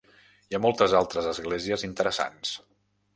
Hi ha moltes altres esglésies interessants.